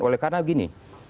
oleh karena begini